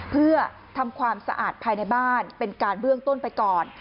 เพื่อทำความสะอาดภายในบ้านเป็นการเบื้องต้นไปก่อน